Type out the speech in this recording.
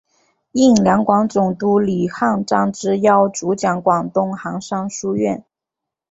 应两广总督李瀚章之邀主讲广东韩山书院。